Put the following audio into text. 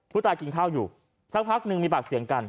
กินข้าวอยู่สักพักหนึ่งมีปากเสียงกัน